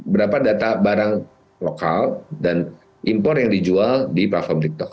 berapa data barang lokal dan impor yang dijual di platform tiktok